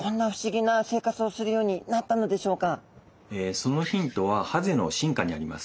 そのヒントはハゼの進化にあります。